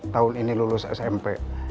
tahun ini lulus smp